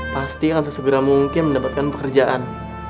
pasti akan sesegera mungkin mendapatkan pekerjaan